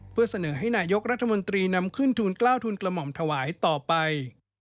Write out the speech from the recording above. เพื่อเสนอให้นายกรัฐมนตรีนำขึ้นทุนกล้าวทุนกระหม่อมถวายต่อไป